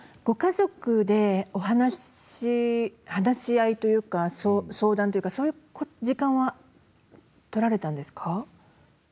ご家族でお話し話し合いというか相談というかそういう時間は取られたんですか。